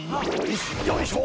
よいしょ！